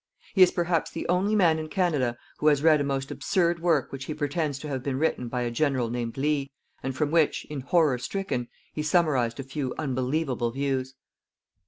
He is perhaps the only man in Canada who has read a most absurd work which he pretends to have been written by a General named Lea, and from which, in horror stricken, he summarized a few unbelievable views.